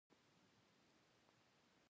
هر څوک چې راځي، بېرته ځي.